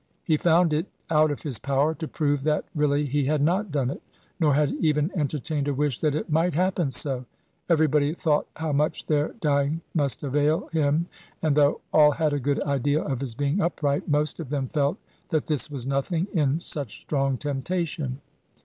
He found it out of his power to prove that really he had not done it, nor had even entertained a wish that it might happen so. Everybody thought how much their dying must avail him; and though all had a good idea of his being upright, most of them felt that this was nothing, in such strong temptation.